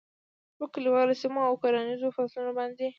خو په کلیوالي سیمو او کرهنیزو فصلونو باندې